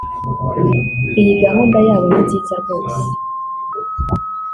iyi gahunda yabo ni nziza rwose